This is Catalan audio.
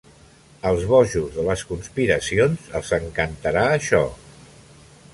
Als bojos de les conspiracions els encantarà, això.